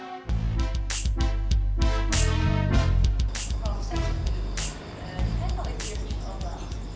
saya nunggu di ambung